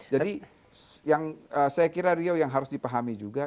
jadi yang saya kira riau yang harus dipahami juga